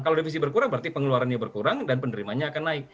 kalau defisi berkurang berarti pengeluarannya berkurang dan penerimanya akan naik